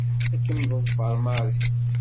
Ad kem-teḍfer Mary.